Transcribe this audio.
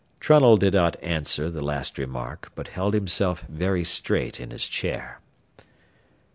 Trunnell did not answer the last remark, but held himself very straight in his chair.